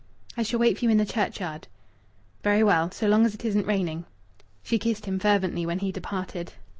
"I shall wait for you in the churchyard." "Very well. So long as it isn't raining." She kissed him fervently when he departed.